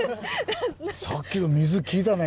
さっきの水効いたね。